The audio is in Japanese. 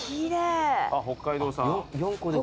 北海道産。